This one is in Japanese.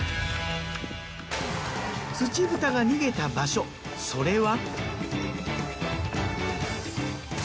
ツチブタが逃げた場所それは。